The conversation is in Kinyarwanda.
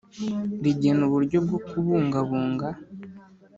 Rigena uburyo bwo kubungabunga